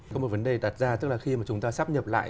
có một vấn đề đặt ra tức là khi mà chúng ta sắp nhập lại